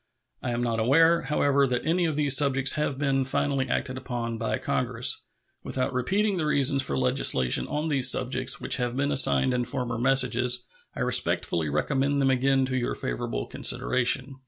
I am not aware, however, that any of these subjects have been finally acted upon by Congress. Without repeating the reasons for legislation on these subjects which have been assigned in former messages, I respectfully recommend them again to your favorable consideration.